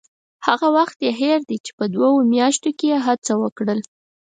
هغه وخت یې هېر دی چې په دوو میاشتو کې یې څه وکړل.